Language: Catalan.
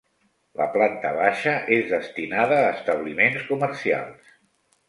La planta baixa és destinada a establiments comercials.